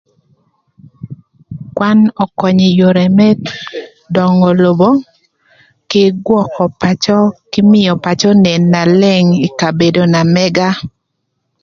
Kwan ökönyö ï yore më döngö lobo kï gwökö pacö kï mïö pacö onen na leng ï kabedo na mëga.